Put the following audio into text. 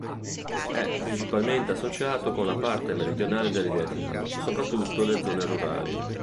È principalmente associato con la parte meridionale del Vietnam, soprattutto le zone rurali.